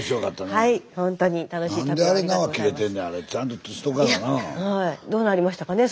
はいどうなりましたかね